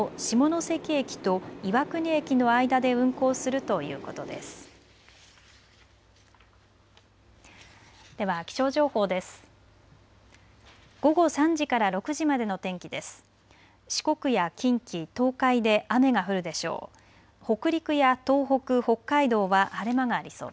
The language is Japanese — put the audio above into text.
四国や近畿、東海で雨が降るでしょう。